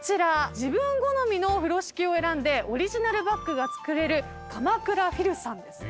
自分好みの風呂敷を選んでオリジナルバッグが作れる鎌倉ふぃるさんです。